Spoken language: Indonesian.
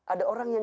ada orang lain